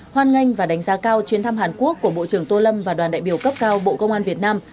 hoan nghênh và đánh giá cao chuyến thăm hàn quốc của bộ trưởng tô lâm và đoàn đại biểu cấp cao bộ công an việt nam